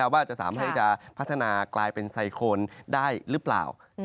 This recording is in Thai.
ว่าจะสามารถให้จะพัฒนากลายเป็นไซโคนได้หรือเปล่า